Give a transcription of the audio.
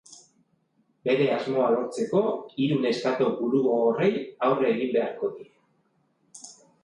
Bere asmoa lortzeko, hiru neskato burugogorrei aurre egin beharko die.